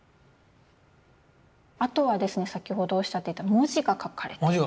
あとはですね先ほどおっしゃっていた文字が書かれて。